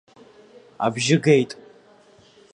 Абжьы геит.